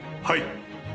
はい。